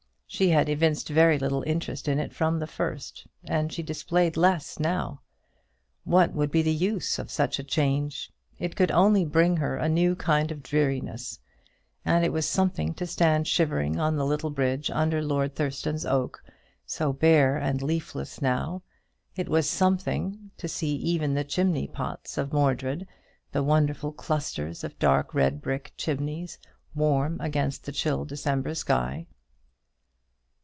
She had evinced very little interest in it from the first, and she displayed less now. What would be the use of such a change? It could only bring her a new kind of dreariness; and it was something to stand shivering on the little bridge under Lord Thurston's oak, so bare and leafless now; it was something to see even the chimney pots of Mordred, the wonderful clusters of dark red brick chimneys, warm against the chill December sky.